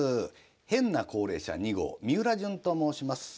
変な高齢者２号みうらじゅんと申します。